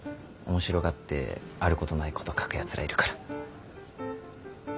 面白がってあることないこと書くやつらいるから。